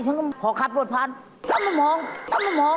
ฉันก็พอขัดปรวจภัณฑ์แล้วมันมองแล้วมันมอง